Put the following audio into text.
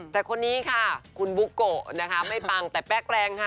แต่คนนี้ค่ะคุณบุโกะนะคะไม่ปังแต่แป๊กแรงค่ะ